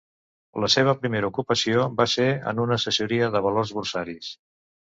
La seva primera ocupació va ser en una assessoria de valors borsaris.